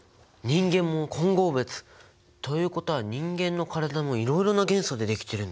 人間も混合物！ということは人間の体もいろいろな元素で出来てるんだね。